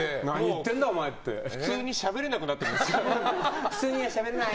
普通にしゃべれなくなってますよ。